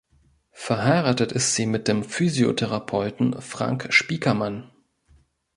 Verheiratet ist sie mit dem Physiotherapeuten Frank Spiekermann.